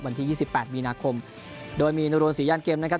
วันทียี่สิบแปดมีนาคมโดยมีโนรสีด้านเกมนะครับ